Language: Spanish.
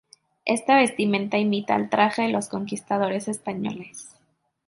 Esta vestimenta imita al traje de los conquistadores españoles.